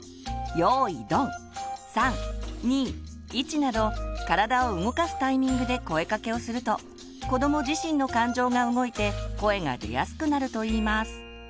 など体を動かすタイミングで声かけをすると子ども自身の感情が動いて声が出やすくなるといいます。